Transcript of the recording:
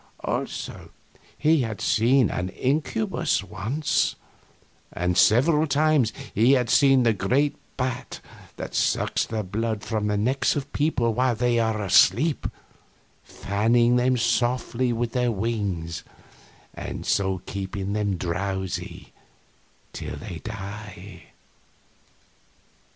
Also he had seen an incubus once, and several times he had seen the great bat that sucks the blood from the necks of people while they are asleep, fanning them softly with its wings and so keeping them drowsy till they die.